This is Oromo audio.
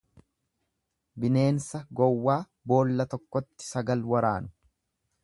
Bineensa gowwaa boolla tokkotti sagal waraanu.